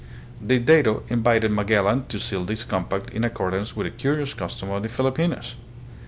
The dato invited Magellan to seal this compact in accordance with a curious custom of the Filipinos.